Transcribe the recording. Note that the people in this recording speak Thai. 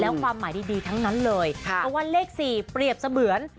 แล้วความหมายดีทั้งนั้นเลยเพราะว่าเลข๔เปรียบเสมือน